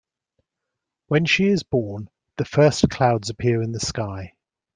When she is born, the first clouds appear in the sky.